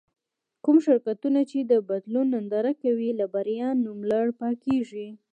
کوم شرکتونه چې د بدلون ننداره کوي له بريا نوملړه پاکېږي.